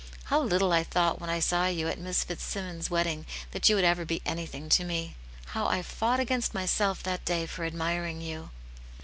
How little I thought when I saw you at Miss Fitzsimmons* wedding that you would ever be anything to me! How I fought against myself that day for admiring you!"